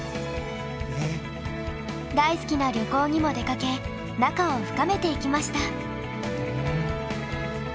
大好きな旅行にも出かけ仲を深めていきました。